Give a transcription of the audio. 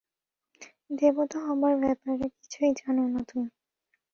দেবতা হবার ব্যাপারে কিছুই জানো না তুমি।